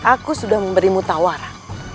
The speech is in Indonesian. aku sudah memberimu tawaran